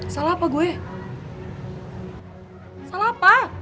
salah apa gue salah apa